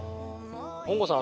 本郷さん